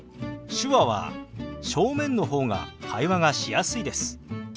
手話は正面の方が会話がしやすいです。